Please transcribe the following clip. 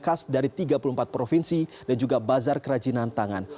khas dari tiga puluh empat provinsi dan juga bazar kerajinan tangan